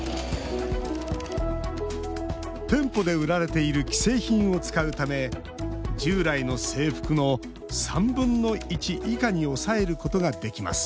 店舗で売られている既製品を使うため従来の制服の３分の１以下に抑えることができます